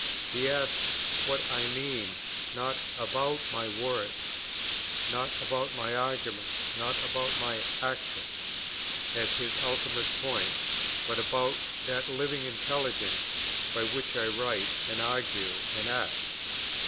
He asks what I mean; not about my words, not about my arguments, not about my actions, as his ultimate point, but about that living intelligence, by which I write, and argue, and act.